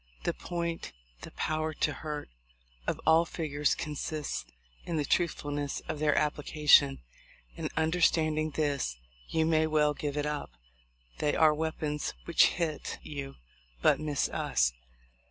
The point — the power t0 hurt— of all figures consists in the truthfulness of their application; and, understanding this, you may well give it up. They are weapons which hit you, but miss us.